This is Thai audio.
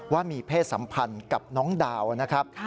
ว่ามีเพศสัมพันธ์กับน้องดาวนะครับ